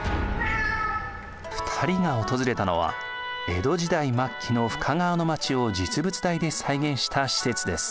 ２人が訪れたのは江戸時代末期の深川の町を実物大で再現した施設です。